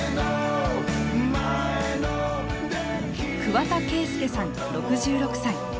桑田佳祐さん６６歳。